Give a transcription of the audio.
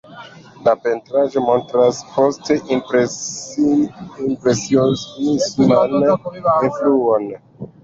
La pentraĵo montras post-impresionisman influon.